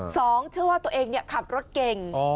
เชื่อว่าตัวเองขับรถเก่ง